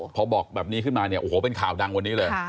พอบอกแบบนี้ขึ้นมาเนี่ยโอ้โหเป็นข่าวดังวันนี้เลย